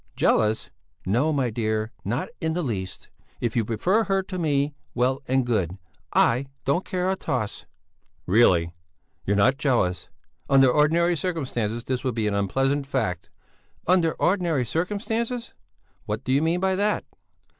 "Jealous! No, my dear, not in the least! If you prefer her to me, well and good! I don't care a toss!" "Really? You're not jealous? Under ordinary circumstances this would be an unpleasant fact." "Under ordinary circumstances? What do you mean by that?"